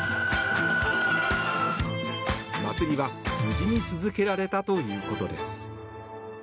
祭りは無事に続けられたということです。